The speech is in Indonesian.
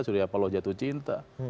suria pahlaw jatuh cinta